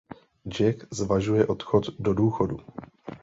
Jack zvažuje odchod do důchodu.